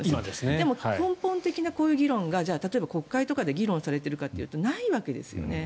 でも、根本的な、こういう議論がじゃあ例えば、国会とかで議論されているかというとないわけですよね。